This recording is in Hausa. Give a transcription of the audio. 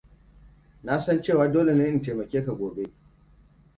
Na san cewa dole ne in taimake ka gobe.